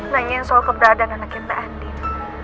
nanyain soal keberadaan anaknya mbak andin